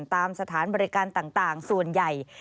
ตามสถานบริการต่างส่วนใหญ่